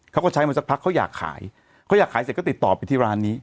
เขาก็ใช้มาสักพักเขาอยากขายเขาอยากขายเสร็จก็ติดต่อไปที่ร้านนี้